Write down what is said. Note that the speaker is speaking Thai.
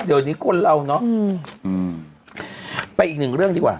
เดี๋ยวนี้คนเราเนอะอืมไปอีกหนึ่งเรื่องดีกว่า